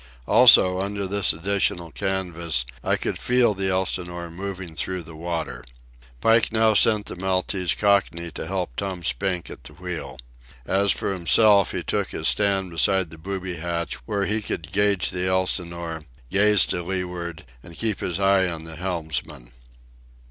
Also, under this additional canvas, I could feel the Elsinore moving through the water. Pike now sent the Maltese Cockney to help Tom Spink at the wheel. As for himself, he took his stand beside the booby hatch, where he could gauge the Elsinore, gaze to leeward, and keep his eye on the helmsmen.